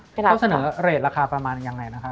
เราเสนอเรทราคาประมาณยังไงนะคะ